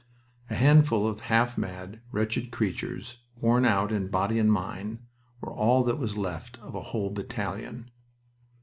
A handful of half mad, wretched creatures, worn out in body and mind, were all that was left of a whole battalion.